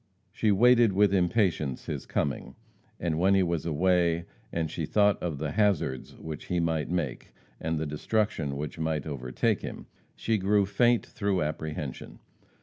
She waited with impatience his coming, and when he was away, and she thought of the hazards which he might make, and the destruction which might overtake him, she grew faint through apprehension.